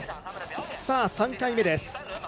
３回目です。